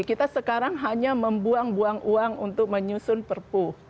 kita sekarang hanya membuang buang uang untuk menyusun perpu